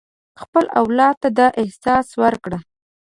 خپل اولاد ته دا احساس ورکړه.